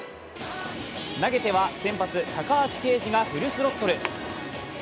投げては先発・高橋奎二がフルスロットル。